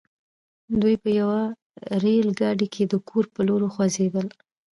دوی په يوه ريل ګاډي کې د کور پر لور وخوځېدل.